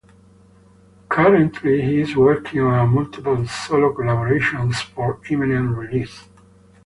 Currently he is working on multiple solo collaborations for imminent release.